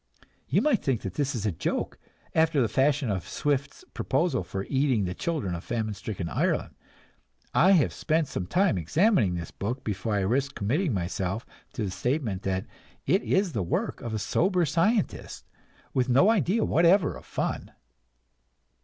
You might think that this is a joke, after the fashion of Swift's proposal for eating the children of famine stricken Ireland. I have spent some time examining this book before I risk committing myself to the statement that it is the work of a sober scientist, with no idea whatever of fun.